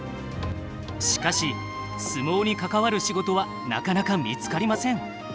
しかし相撲に関わる仕事はなかなか見つかりません。